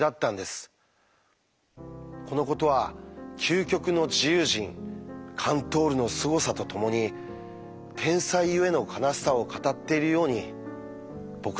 このことは究極の自由人カントールのすごさとともに天才ゆえの悲しさを語っているように僕には思えます。